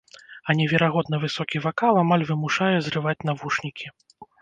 А неверагодна высокі вакал амаль вымушае зрываць навушнікі.